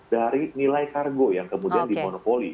dari nilai kargo yang kemudian dimonopoli